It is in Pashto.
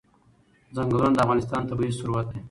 ځنګلونه د افغانستان طبعي ثروت دی.